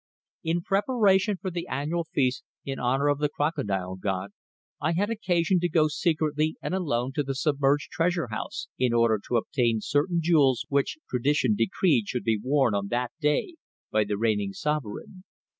In preparation for the annual feast in honour of the Crocodile god I had occasion to go secretly and alone to the submerged Treasure house, in order to obtain certain jewels which tradition decreed should be worn on that day by the reigning sovereign.